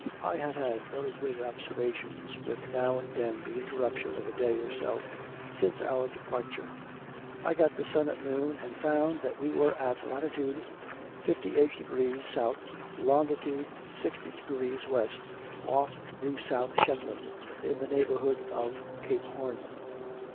I had had very good observations, with now and then the interruption of a day or so, since our departure. I got the sun at noon, and found that we were in Lat. 58 degrees S., Long. 60 degrees W., off New South Shetland; in the neighbourhood of Cape Horn.